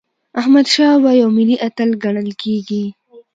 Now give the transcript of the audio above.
احمدشاه بابا یو ملي اتل ګڼل کېږي.